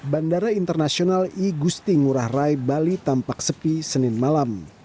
bandara internasional igusti ngurah rai bali tampak sepi senin malam